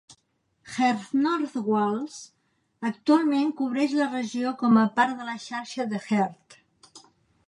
Heart North Wales actualment cobreix la regió com a part de la xarxa de Heart.